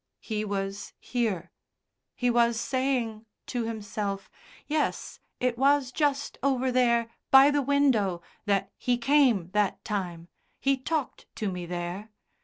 He was here. He was saying to himself: "Yes, it was just over there, by the window, that He came that time. He talked to me there.